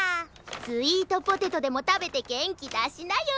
スイートポテトでもたべてげんきだしなよ。